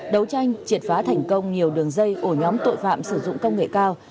đấu tranh triệt phá thành công nhiều đường dây ổ nhóm tội phạm sử dụng công nghệ cao